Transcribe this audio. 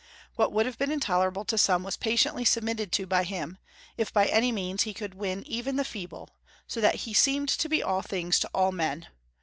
What would have been intolerable to some was patiently submitted to by him, if by any means he could win even the feeble; so that he seemed to be all things to all men.